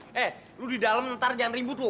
eh lo di dalam ntar jangan ribut lo